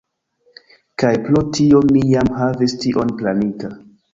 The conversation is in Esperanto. Kaj pro tio mi jam havis tion planita.